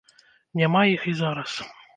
Няма іх і зараз.